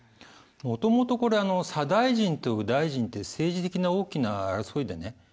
もともとこれ左大臣と右大臣で政治的な大きな争いでね